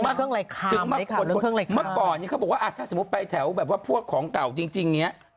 เมื่อก่อนนี้เขาบอกว่าถ้าสมมุติไปแถวแบบว่าพวกของเก่าจริงนี้